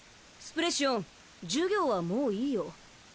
スプレシオン授業はもういいよ